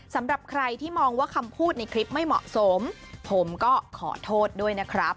สำหรับใครที่มองว่าคำพูดในคลิปไม่เหมาะสมผมก็ขอโทษด้วยนะครับ